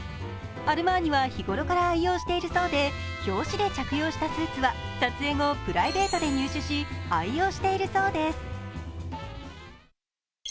アルマーニは日頃から愛用しているそうで表紙で着用したスーツは撮影後、プライベートで入手し、愛用しているそうです。